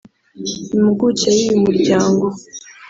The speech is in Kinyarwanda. Impuguke y’uyu muryango